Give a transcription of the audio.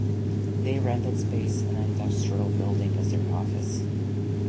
They rented space in an industrial building as their office.